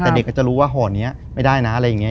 แต่เด็กก็จะรู้ว่าห่อนี้ไม่ได้นะอะไรอย่างนี้